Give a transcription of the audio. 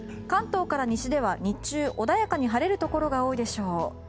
関東から西では日中、穏やかに晴れるところが多いでしょう。